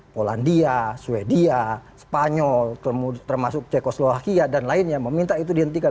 polandia sweden spanyol termasuk ceko slovakia dan lainnya meminta itu dihentikan